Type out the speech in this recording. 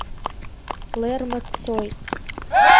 Лерма дцоит.